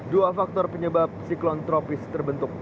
dua faktor penyebab siklon tropis terbentuk